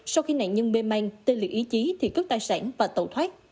sau khi nạn nhân mê man tê liệt ý chí thì cất tài sản và tẩu thoát